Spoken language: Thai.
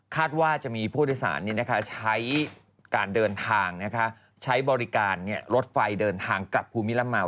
ว่าจะมีผู้โดยสารใช้การเดินทางใช้บริการรถไฟเดินทางกลับภูมิลำมา